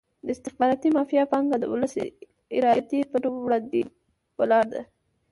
د استخباراتي مافیا پانګه د ولس ارادې په وړاندې ولاړه ده.